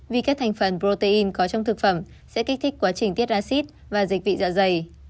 vì các thành phần protein có trong thực phẩm sẽ kích thích quá trình tiết acid và dịch vị dạ dày